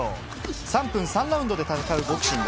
３分３ラウンドで戦うボクシング。